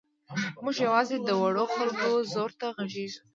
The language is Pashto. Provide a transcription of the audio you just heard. موږ یوازې د وړو خلکو ځور ته غږېږو.